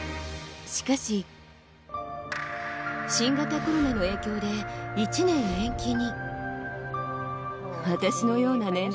しかし、新型コロナの影響で１年延期に。